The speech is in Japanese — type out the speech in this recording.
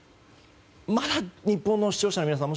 まだ日本の視聴者の皆さん